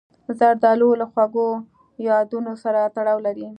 زردالو له خواږو یادونو سره تړاو لري.